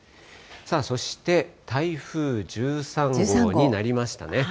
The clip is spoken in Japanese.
そして台風１３号になりましたね。